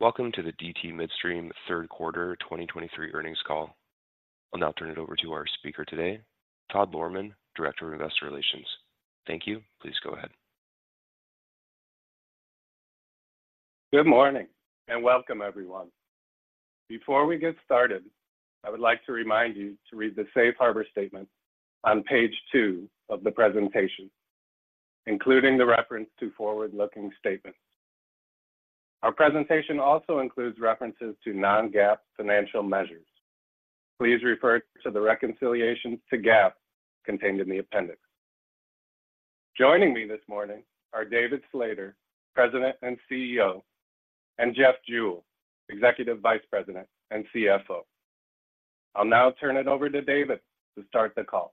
Welcome to the DT Midstream Third Quarter 2023 Earnings Call. I'll now turn it over to our speaker today, Todd Lohrmann, Director of Investor Relations. Thank you. Please go ahead. Good morning, and welcome, everyone. Before we get started, I would like to remind you to read the safe harbor statement on Page two of the presentation, including the reference to forward-looking statements. Our presentation also includes references to non-GAAP financial measures. Please refer to the reconciliations to GAAP contained in the appendix. Joining me this morning are David Slater, President and CEO, and Jeff Jewell, Executive Vice President and CFO. I'll now turn it over to David to start the call.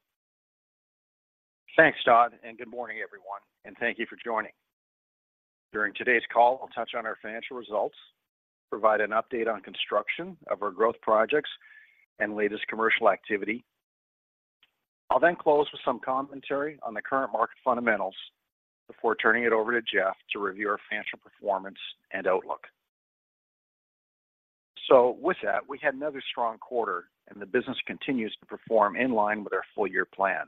Thanks, Todd, and good morning, everyone, and thank you for joining. During today's call, I'll touch on our financial results, provide an update on construction of our growth projects and latest commercial activity. I'll then close with some commentary on the current market fundamentals before turning it over to Jeff to review our financial performance and outlook. So with that, we had another strong quarter, and the business continues to perform in line with our full-year plan,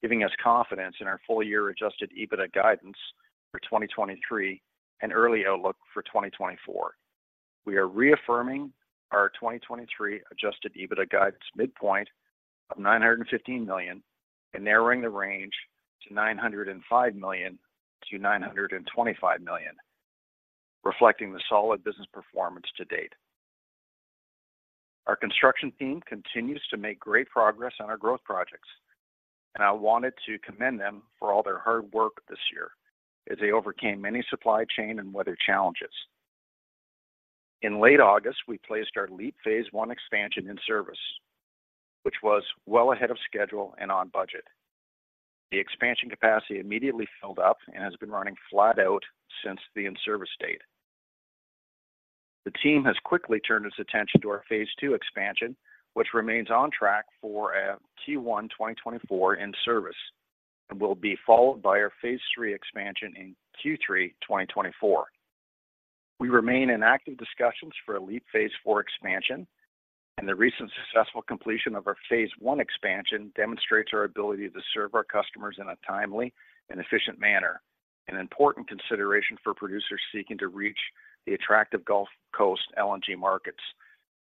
giving us confidence in our full-year Adjusted EBITDA guidance for 2023 and early outlook for 2024. We are reaffirming our 2023 Adjusted EBITDA guidance midpoint of $915 million and narrowing the range to $905 million-$925 million, reflecting the solid business performance to date. Our construction team continues to make great progress on our growth projects, and I wanted to commend them for all their hard work this year as they overcame many supply chain and weather challenges. In late August, we placed our LEAP phase I expansion in service, which was well ahead of schedule and on budget. The expansion capacity immediately filled up and has been running flat out since the in-service date. The team has quickly turned its attention to our phase II expansion, which remains on track for a Q1 2024 in service and will be followed by our phase III expansion in Q3 2024. We remain in active discussions for a LEAP Phase Four expansion, and the recent successful completion of our phase I expansion demonstrates our ability to serve our customers in a timely and efficient manner, an important consideration for producers seeking to reach the attractive Gulf Coast LNG markets,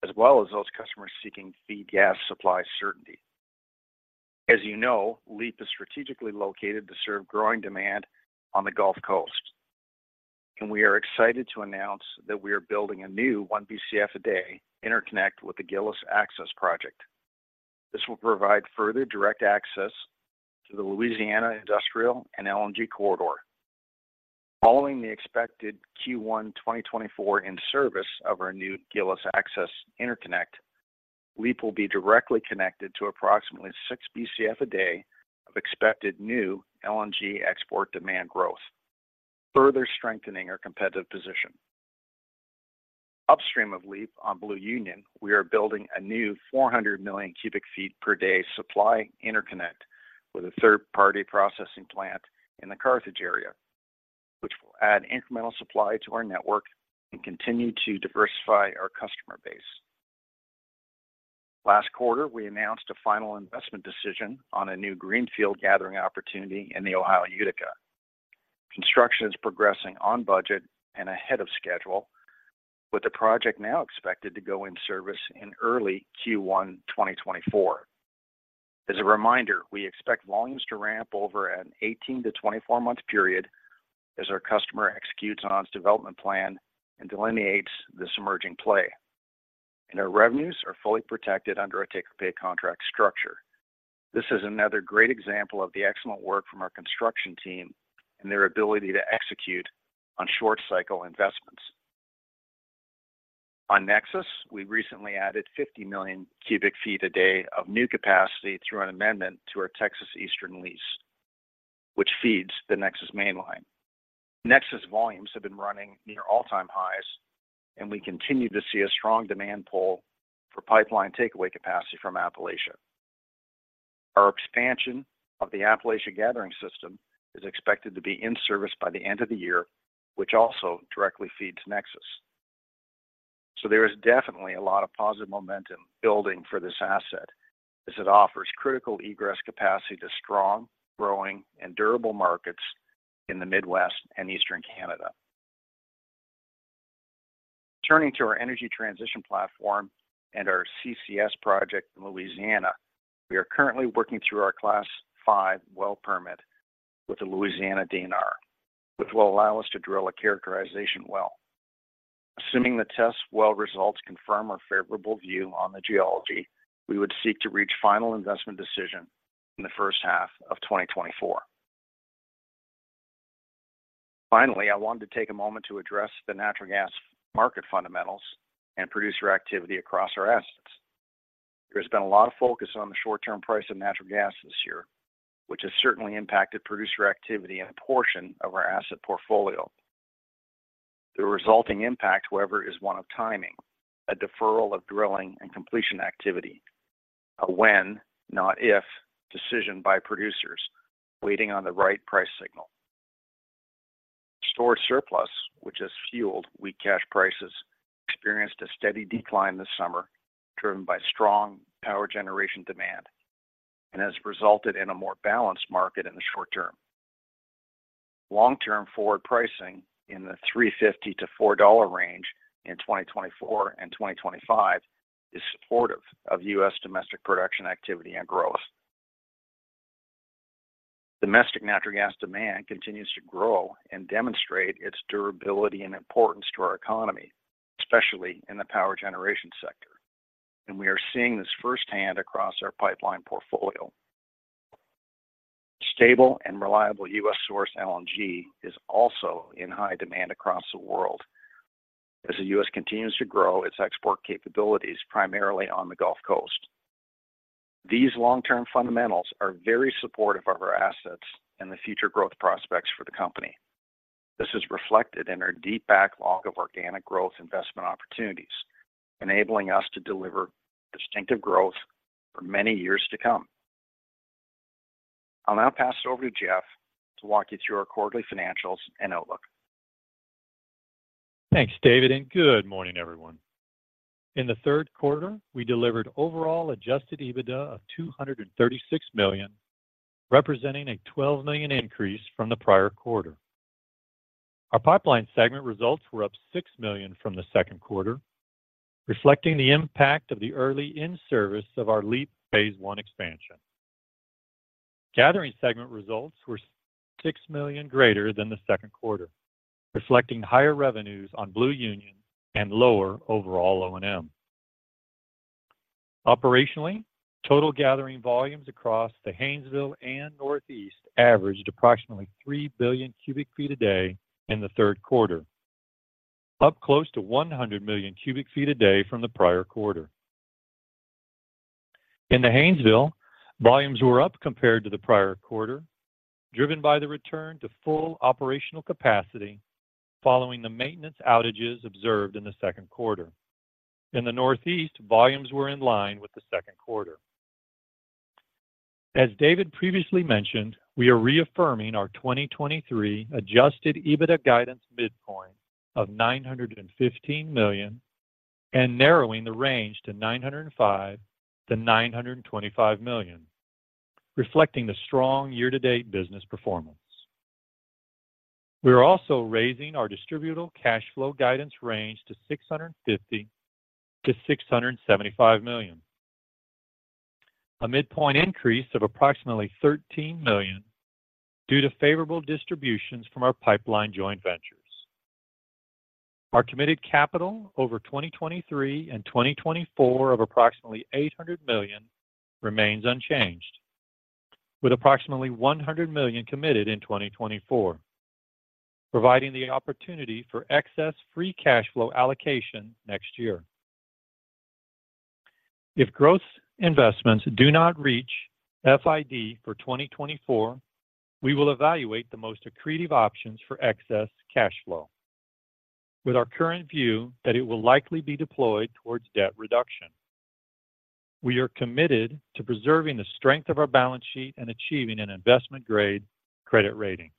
as well as those customers seeking feed gas supply certainty. As you know, LEAP is strategically located to serve growing demand on the Gulf Coast, and we are excited to announce that we are building a new 1 Bcf a day interconnect with the Gillis Access project. This will provide further direct access to the Louisiana Industrial and LNG Corridor. Following the expected Q1 2024 in service of our new Gillis Access interconnect, LEAP will be directly connected to approximately 6 Bcf a day of expected new LNG export demand growth, further strengthening our competitive position. Upstream of LEAP on Blue Union, we are building a new 400 million cu ft per day supply interconnect with a third-party processing plant in the Carthage area, which will add incremental supply to our network and continue to diversify our customer base. Last quarter, we announced a final investment decision on a new greenfield gathering opportunity in the Ohio Utica. Construction is progressing on budget and ahead of schedule, with the project now expected to go in service in early Q1 2024. As a reminder, we expect volumes to ramp over an 18- to 24-month period as our customer executes on its development plan and delineates this emerging play, and our revenues are fully protected under a take-or-pay contract structure. This is another great example of the excellent work from our construction team and their ability to execute on short-cycle investments. On NEXUS, we recently added 50 million cu ft a day of new capacity through an amendment to our Texas Eastern lease, which feeds the NEXUS mainline. NEXUS volumes have been running near all-time highs, and we continue to see a strong demand pull for pipeline takeaway capacity from Appalachia. Our expansion of the Appalachia Gathering System is expected to be in service by the end of the year, which also directly feeds NEXUS. So there is definitely a lot of positive momentum building for this asset as it offers critical egress capacity to strong, growing, and durable markets in the Midwest and Eastern Canada. Turning to our energy transition platform and our CCS project in Louisiana, we are currently working through our Class V well permit with the Louisiana DNR, which will allow us to drill a characterization well. Assuming the test well results confirm our favorable view on the geology, we would seek to reach final investment decision in the first half of 2024. Finally, I wanted to take a moment to address the natural gas market fundamentals and producer activity across our assets. There has been a lot of focus on the short-term price of natural gas this year, which has certainly impacted producer activity in a portion of our asset portfolio. The resulting impact, however, is one of timing, a deferral of drilling and completion activity... A when, not if, decision by producers waiting on the right price signal. Stored surplus, which has fueled weak cash prices, experienced a steady decline this summer, driven by strong power generation demand and has resulted in a more balanced market in the short term. Long-term forward pricing in the $3.50-$4 range in 2024 and 2025 is supportive of U.S. domestic production activity and growth. Domestic natural gas demand continues to grow and demonstrate its durability and importance to our economy, especially in the power generation sector, and we are seeing this firsthand across our pipeline portfolio. Stable and reliable U.S. source LNG is also in high demand across the world as the U.S. continues to grow its export capabilities, primarily on the Gulf Coast. These long-term fundamentals are very supportive of our assets and the future growth prospects for the company. This is reflected in our deep backlog of organic growth investment opportunities, enabling us to deliver distinctive growth for many years to come. I'll now pass it over to Jeff to walk you through our quarterly financials and outlook. Thanks, David, and good morning, everyone. In the third quarter, we delivered overall Adjusted EBITDA of $236 million, representing a $12 million increase from the prior quarter. Our pipeline segment results were up $6 million from the second quarter, reflecting the impact of the early in-service of our LEAP phase I expansion. Gathering segment results were $6 million greater than the second quarter, reflecting higher revenues on Blue Union and lower overall O&M. Operationally, total gathering volumes across the Haynesville and Northeast averaged approximately 3 Bcf a day in the third quarter, up close to 100 million cu ft a day from the prior quarter. In the Haynesville, volumes were up compared to the prior quarter, driven by the return to full operational capacity following the maintenance outages observed in the second quarter. In the Northeast, volumes were in line with the second quarter. As David previously mentioned, we are reaffirming our 2023 Adjusted EBITDA guidance midpoint of $915 million and narrowing the range to $905 million-$925 million, reflecting the strong year-to-date business performance. We are also raising our Distributable Cash Flow guidance range to $650 million-$675 million. A midpoint increase of approximately $13 million due to favorable distributions from our pipeline joint ventures. Our committed capital over 2023 and 2024 of approximately $800 million remains unchanged, with approximately $100 million committed in 2024, providing the opportunity for excess free cash flow allocation next year. If growth investments do not reach FID for 2024, we will evaluate the most accretive options for excess cash flow. With our current view that it will likely be deployed towards debt reduction. We are committed to preserving the strength of our balance sheet and achieving an investment-grade credit rating.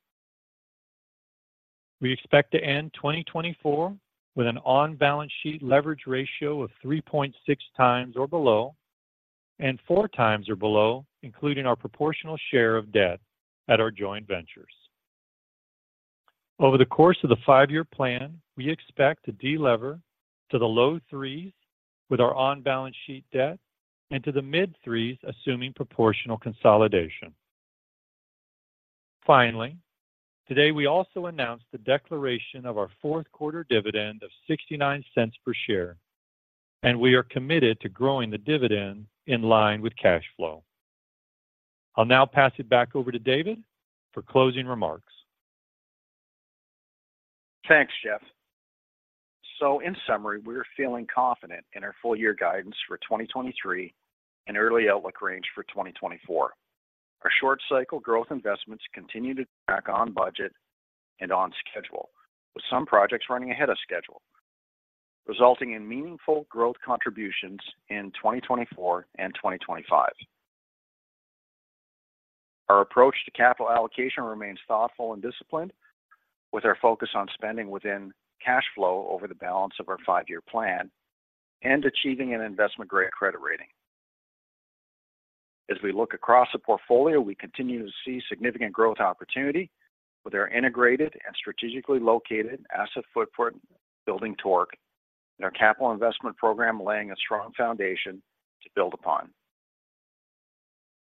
We expect to end 2024 with an on-balance sheet leverage ratio of 3.6x or below, and 4x or below, including our proportional share of debt at our joint ventures. Over the course of the five-year plan, we expect to delever to the low threes with our on-balance sheet debt and to the mid-threes, assuming proportional consolidation. Finally, today, we also announced the declaration of our fourth quarter dividend of $0.69 per share, and we are committed to growing the dividend in line with cash flow. I'll now pass it back over to David for closing remarks. Thanks, Jeff. So in summary, we are feeling confident in our full-year guidance for 2023 and early outlook range for 2024. Our short-cycle growth investments continue to track on budget and on schedule, with some projects running ahead of schedule, resulting in meaningful growth contributions in 2024 and 2025. Our approach to capital allocation remains thoughtful and disciplined, with our focus on spending within cash flow over the balance of our five-year plan and achieving an investment-grade credit rating. As we look across the portfolio, we continue to see significant growth opportunity with our integrated and strategically located asset footprint building torque and our capital investment program laying a strong foundation to build upon.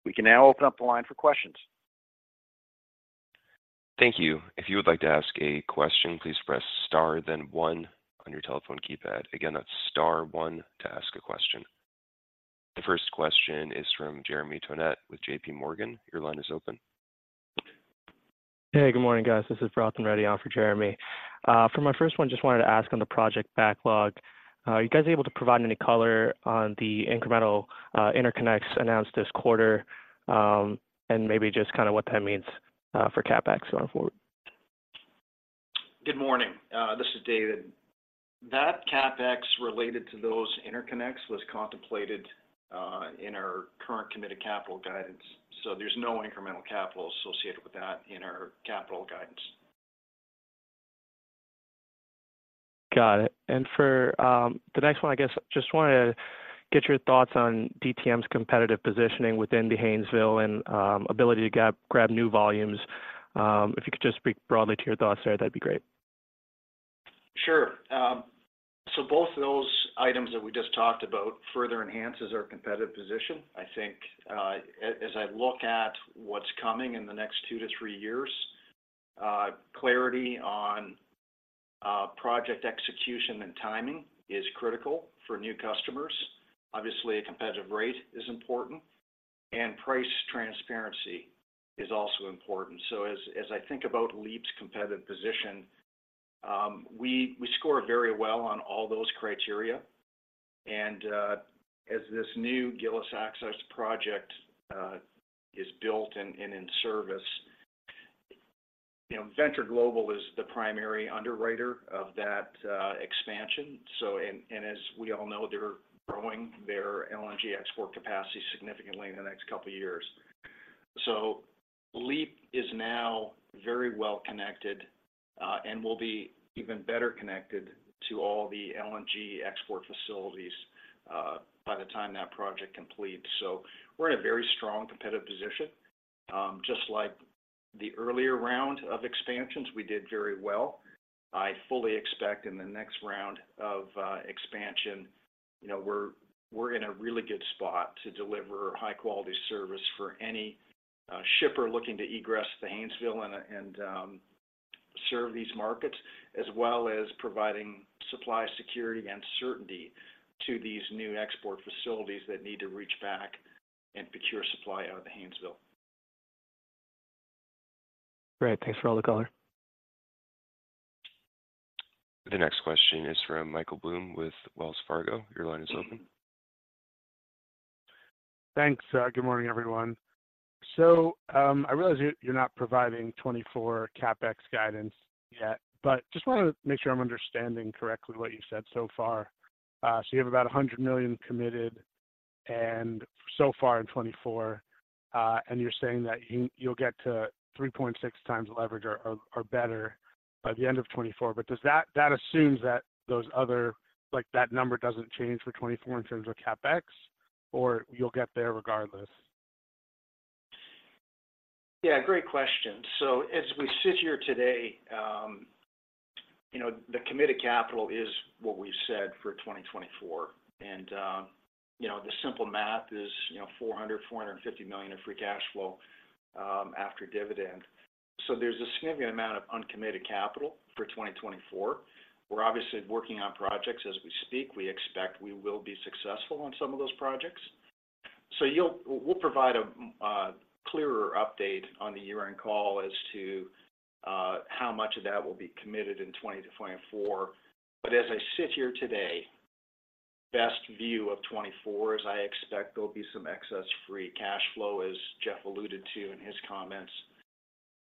We can now open up the line for questions. Thank you. If you would like to ask a question, please press Star, then one on your telephone keypad. Again, that's Star one to ask a question. The first question is from Jeremy Tonet with JPMorgan. Your line is open. Hey, good morning, guys. This is Bharath Reddy on for Jeremy. For my first one, just wanted to ask on the project backlog, are you guys able to provide any color on the incremental interconnects announced this quarter? And maybe just kind of what that means for CapEx going forward?... Good morning, this is David. That CapEx related to those interconnects was contemplated in our current committed capital guidance, so there's no incremental capital associated with that in our capital guidance. Got it. And for the next one, I guess just wanted to get your thoughts on DTM's competitive positioning within the Haynesville and ability to grab new volumes. If you could just speak broadly to your thoughts there, that'd be great. Sure. So both of those items that we just talked about further enhances our competitive position. I think, as I look at what's coming in the next two to three years, clarity on project execution and timing is critical for new customers. Obviously, a competitive rate is important, and price transparency is also important. So as I think about LEAP's competitive position, we score very well on all those criteria. And as this new Gillis Access project is built and in service, you know, Venture Global is the primary underwriter of that expansion. As we all know, they're growing their LNG export capacity significantly in the next couple of years. So LEAP is now very well connected, and will be even better connected to all the LNG export facilities, by the time that project completes. So we're in a very strong competitive position. Just like the earlier round of expansions, we did very well. I fully expect in the next round of expansion, you know, we're in a really good spot to deliver high-quality service for any shipper looking to egress the Haynesville and serve these markets, as well as providing supply security and certainty to these new export facilities that need to reach back and procure supply out of the Haynesville. Great. Thanks for all the color. The next question is from Michael Blum with Wells Fargo. Your line is open. Thanks. Good morning, everyone. So, I realize you're not providing 2024 CapEx guidance yet, but just want to make sure I'm understanding correctly what you said so far. So you have about $100 million committed, and so far in 2024, and you're saying that you'll get to 3.6x leverage or better by the end of 2024. But does that... That assumes that those other, like, that number doesn't change for 2024 in terms of CapEx, or you'll get there regardless? Yeah, great question. So as we sit here today, you know, the committed capital is what we've said for 2024. And, you know, the simple math is, you know, $450 million of free cash flow after dividend. So there's a significant amount of uncommitted capital for 2024. We're obviously working on projects as we speak. We expect we will be successful on some of those projects. So we'll provide a clearer update on the year-end call as to how much of that will be committed in 2024. But as I sit here today, best view of 2024 is I expect there'll be some excess free cash flow, as Jeff alluded to in his comments.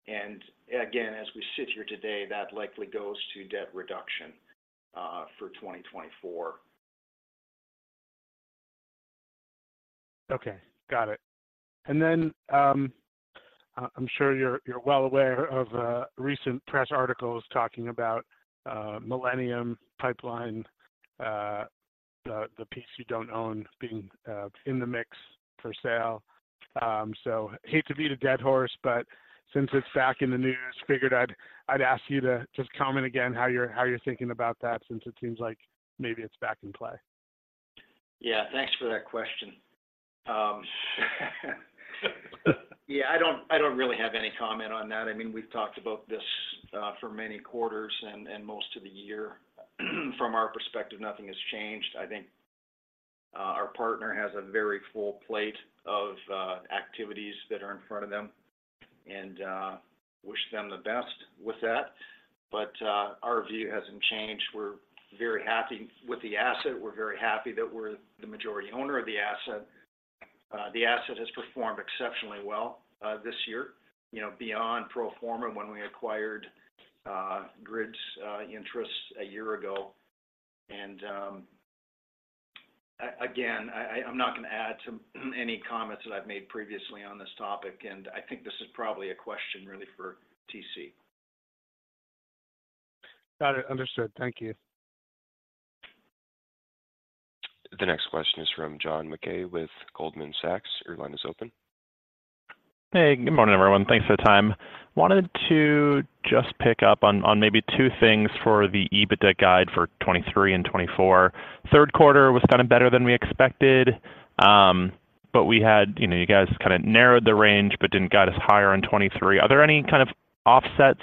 And again, as we sit here today, that likely goes to debt reduction for 2024. Okay, got it. And then, I'm sure you're, you're well aware of, recent press articles talking about, Millennium Pipeline, the, the piece you don't own being, in the mix for sale. So hate to beat a dead horse, but since it's back in the news, figured I'd, I'd ask you to just comment again how you're, how you're thinking about that, since it seems like maybe it's back in play. Yeah, thanks for that question. Yeah, I don't, I don't really have any comment on that. I mean, we've talked about this for many quarters and most of the year. From our perspective, nothing has changed. I think our partner has a very full plate of activities that are in front of them, and wish them the best with that. But our view hasn't changed. We're very happy with the asset. We're very happy that we're the majority owner of the asset. The asset has performed exceptionally well this year, you know, beyond pro forma when we acquired Grid's interests a year ago. And again, I'm not going to add to any comments that I've made previously on this topic, and I think this is probably a question really for TC. Got it. Understood. Thank you. The next question is from John Mackay with Goldman Sachs. Your line is open. Hey, good morning, everyone. Thanks for the time. Wanted to just pick up on maybe two things for the EBITDA guide for 2023 and 2024. Third quarter was kind of better than we expected, but we had... You know, you guys kind of narrowed the range but didn't guide us higher on 2023. Are there any kind of offsets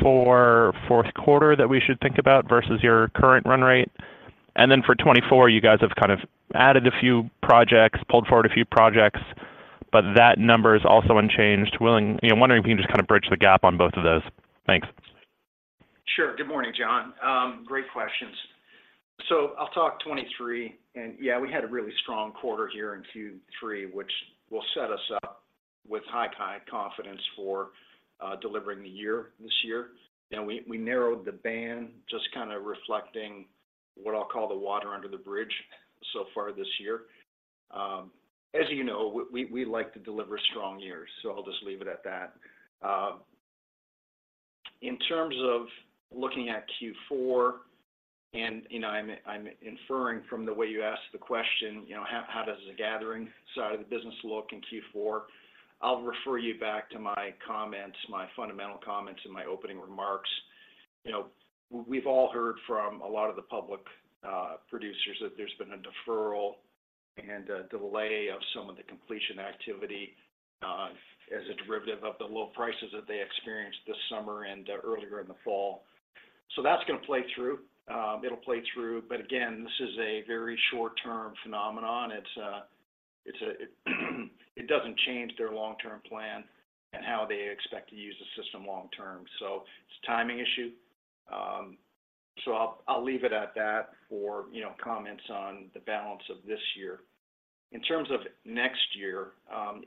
for fourth quarter that we should think about versus your current run rate? And then for 2024, you guys have kind of added a few projects, pulled forward a few projects, but that number is also unchanged. You know, wondering if you can just kind of bridge the gap on both of those. Thanks. Sure. Good morning, John. Great questions. So I'll talk 2023, and yeah, we had a really strong quarter here in Q3, which will set us up with high, high confidence for delivering the year this year. Now, we narrowed the band, just kind of reflecting what I'll call the water under the bridge so far this year. As you know, we like to deliver strong years, so I'll just leave it at that. In terms of looking at Q4, and you know, I'm inferring from the way you asked the question, you know, how does the gathering side of the business look in Q4? I'll refer you back to my comments, my fundamental comments in my opening remarks. You know, we've all heard from a lot of the public producers that there's been a deferral and a delay of some of the completion activity as a derivative of the low prices that they experienced this summer and earlier in the fall. So that's gonna play through. It'll play through, but again, this is a very short-term phenomenon. It's, it's a- it doesn't change their long-term plan and how they expect to use the system long term. So it's a timing issue. So I'll, I'll leave it at that for, you know, comments on the balance of this year. In terms of next year,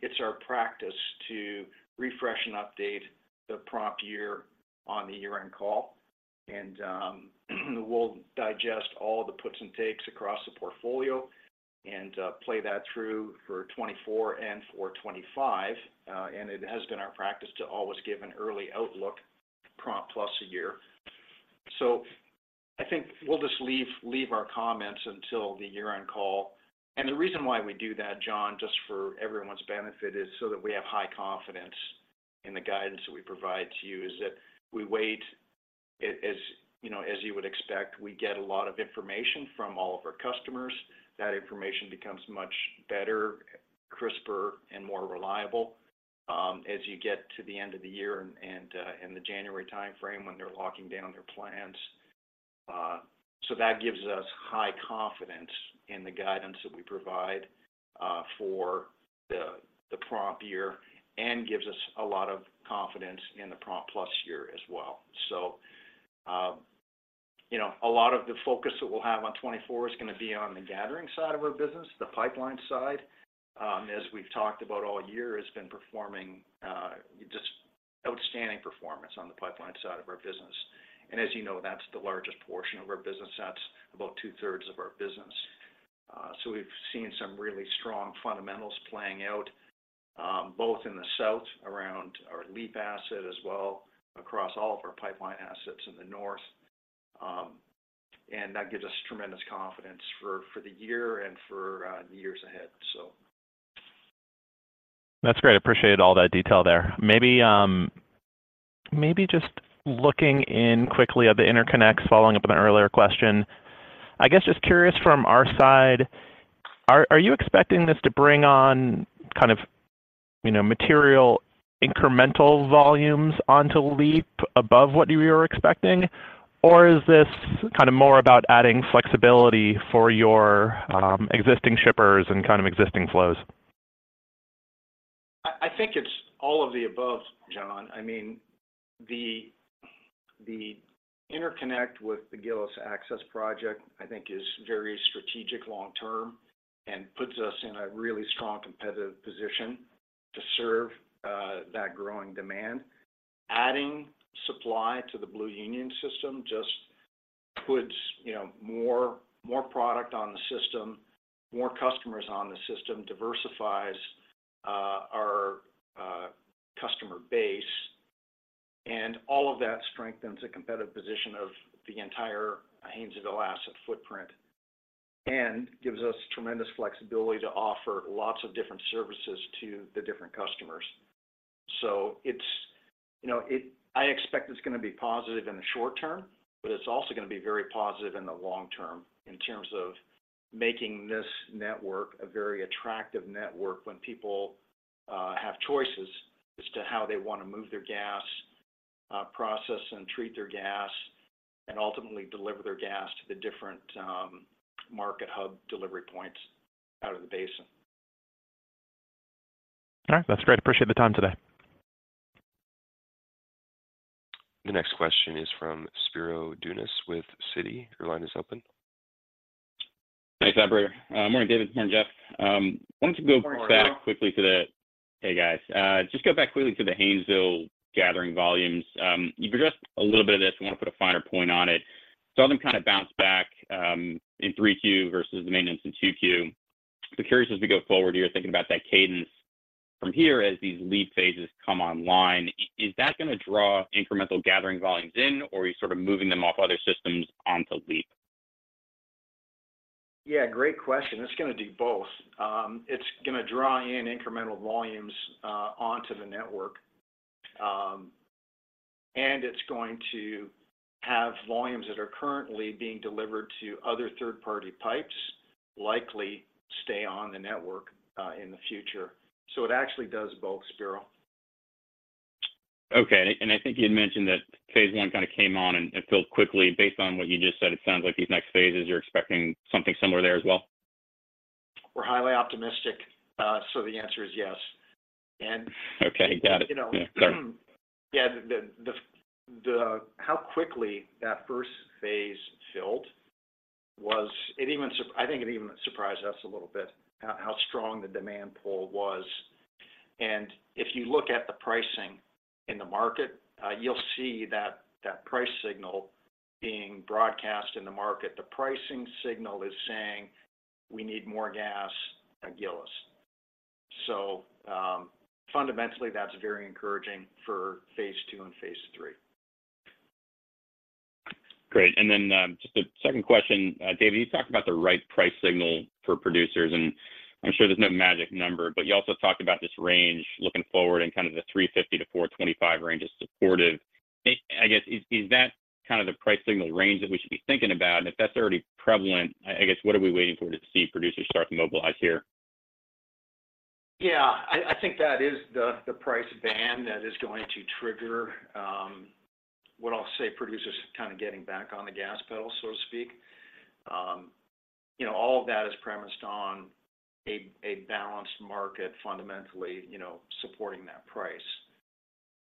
it's our practice to refresh and update the prompt year on the year-end call, and we'll digest all the puts and takes across the portfolio and play that through for 2024 and for 2025. And it has been our practice to always give an early outlook prompt plus a year. So I think we'll just leave our comments until the year-end call. And the reason why we do that, John, just for everyone's benefit, is so that we have high confidence in the guidance that we provide to you, is that we wait. As you know, as you would expect, we get a lot of information from all of our customers. That information becomes much better, crisper, and more reliable as you get to the end of the year and in the January timeframe when they're locking down their plans. So that gives us high confidence in the guidance that we provide for the prompt year and gives us a lot of confidence in the prompt plus year as well. So, you know, a lot of the focus that we'll have on 2024 is gonna be on the gathering side of our business. The pipeline side, as we've talked about all year, has been performing, just outstanding performance on the pipeline side of our business. And as you know, that's the largest portion of our business. That's about two-thirds of our business. So we've seen some really strong fundamentals playing out, both in the south around our LEAP asset, as well across all of our pipeline assets in the north. And that gives us tremendous confidence for, for the year and for, the years ahead, so. That's great. I appreciate all that detail there. Maybe just looking in quickly at the interconnects, following up on an earlier question. I guess, just curious from our side, are you expecting this to bring on kind of, you know, material incremental volumes onto LEAP above what you were expecting? Or is this kind of more about adding flexibility for your existing shippers and kind of existing flows? I think it's all of the above, John. I mean, the interconnect with the Gillis Access project, I think is very strategic long term and puts us in a really strong competitive position to serve that growing demand. Adding supply to the Blue Union system just puts, you know, more product on the system, more customers on the system, diversifies our customer base, and all of that strengthens the competitive position of the entire Haynesville asset footprint and gives us tremendous flexibility to offer lots of different services to the different customers. So it's... You know, I expect it's gonna be positive in the short term, but it's also gonna be very positive in the long term in terms of making this network a very attractive network when people have choices as to how they want to move their gas, process and treat their gas, and ultimately deliver their gas to the different market hub delivery points out of the basin. All right. That's great. Appreciate the time today. The next question is from Spiro Dounis with Citi. Your line is open. Thanks, operator. Morning, David. Morning, Jeff. Wanted to go. Morning, Spiro. Hey, guys. Just go back quickly to the Haynesville gathering volumes. You've addressed a little bit of this. I want to put a finer point on it. Saw them kind of bounce back in 3Q versus the maintenance in 2Q. So curious, as we go forward here, thinking about that cadence from here as these LEAP phases come online, is that gonna draw incremental gathering volumes in, or are you sort of moving them off other systems onto LEAP? Yeah, great question. It's gonna do both. It's gonna draw in incremental volumes onto the network, and it's going to have volumes that are currently being delivered to other third-party pipes likely stay on the network in the future. So it actually does both, Spiro. Okay. I think you'd mentioned that phase I kind of came on and filled quickly. Based on what you just said, it sounds like these next phases, you're expecting something similar there as well?... We're highly optimistic, so the answer is yes. And. Okay, got it. You know, yeah, how quickly that first phase filled was, it even surprised us a little bit, how strong the demand pull was. And if you look at the pricing in the market, you'll see that price signal being broadcast in the market. The pricing signal is saying, "We need more gas at Gillis." So, fundamentally, that's very encouraging for phase II and phase III. Great. And then, just a second question. David, you talked about the right price signal for producers, and I'm sure there's no magic number, but you also talked about this range looking forward, and kind of the $3.50-$4.25 range is supportive. I guess, is that kind of the price signal range that we should be thinking about? And if that's already prevalent, I guess, what are we waiting for to see producers start to mobilize here? Yeah, I think that is the price band that is going to trigger what I'll say, producers kind of getting back on the gas pedal, so to speak. You know, all of that is premised on a balanced market fundamentally, you know, supporting that price.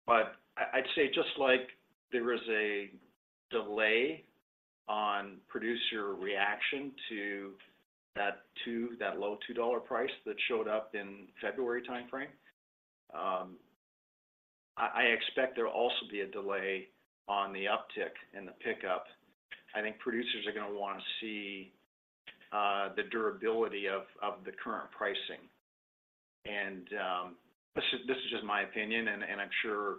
But I'd say just like there was a delay on producer reaction to that low $2 price that showed up in February timeframe, I expect there will also be a delay on the uptick and the pickup. I think producers are going to want to see the durability of the current pricing. This is just my opinion, and I'm sure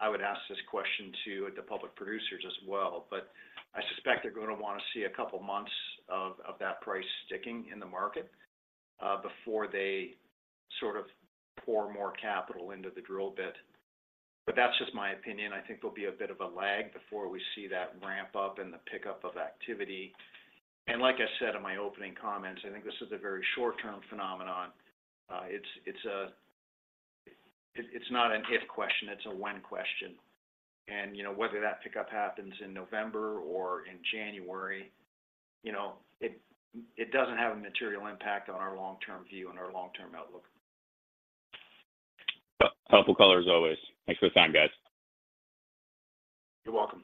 I would ask this question to the public producers as well, but I suspect they're going to want to see a couple months of that price sticking in the market before they sort of pour more capital into the drill bit. But that's just my opinion. I think there'll be a bit of a lag before we see that ramp up and the pickup of activity. Like I said in my opening comments, I think this is a very short-term phenomenon. It's not an if question, it's a when question. You know, whether that pickup happens in November or in January, you know, it doesn't have a material impact on our long-term view and our long-term outlook. Helpful color as always. Thanks for the time, guys. You're welcome.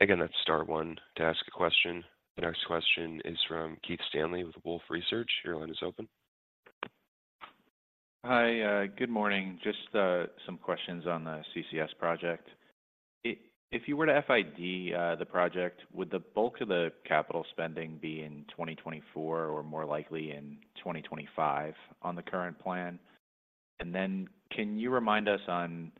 Again, that's star one to ask a question. The next question is from Keith Stanley with Wolfe Research. Your line is open. Hi, good morning. Just some questions on the CCS project. If you were to FID the project, would the bulk of the capital spending be in 2024 or more likely in 2025 on the current plan? And then can you remind us on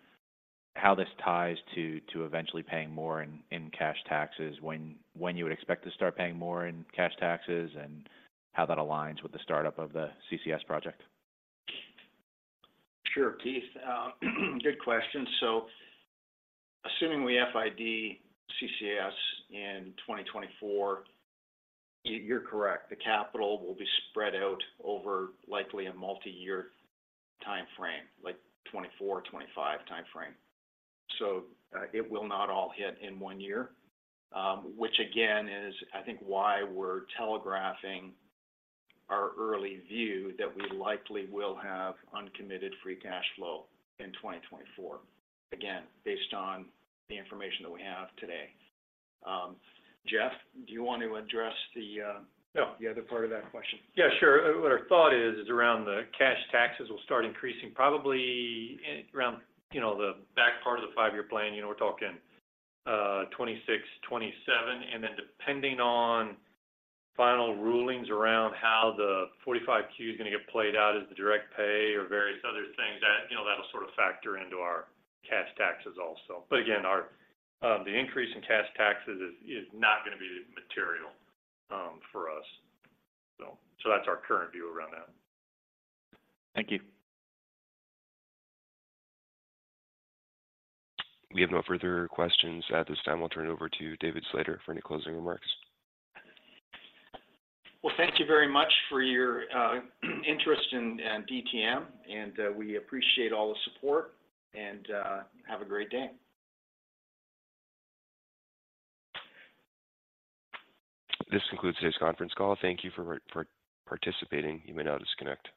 how this ties to eventually paying more in cash taxes, when you would expect to start paying more in cash taxes, and how that aligns with the startup of the CCS project? Sure, Keith, good question. So assuming we FID CCS in 2024, you're correct. The capital will be spread out over likely a multiyear timeframe, like 2024, 2025 timeframe. So, it will not all hit in one year, which again, is I think why we're telegraphing our early view that we likely will have uncommitted free cash flow in 2024. Again, based on the information that we have today. Jeff, do you want to address the, No... The other part of that question? Yeah, sure. What our thought is, is around the cash taxes will start increasing probably in around, you know, the back part of the five-year plan. You know, we're talking 2026, 2027. And then depending on final rulings around how the 45Q is going to get played out as the direct pay or various other things, that, you know, that'll sort of factor into our cash taxes also. But again, our the increase in cash taxes is, is not going to be material for us. So that's our current view around that. Thank you. We have no further questions at this time. I'll turn it over to David Slater for any closing remarks. Well, thank you very much for your interest in DTM, and we appreciate all the support, and have a great day. This concludes today's conference call. Thank you for participating. You may now disconnect.